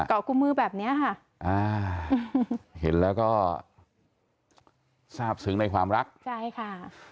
กุมมือแบบเนี้ยค่ะอ่าเห็นแล้วก็ทราบซึ้งในความรักใช่ค่ะ